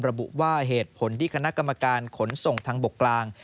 ระบุว่าเหตุผลที่คณะกรรมการขนส่งทางบกกลาง